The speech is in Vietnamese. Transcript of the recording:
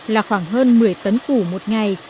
là khoảng hơn một mươi tấn củ một ngày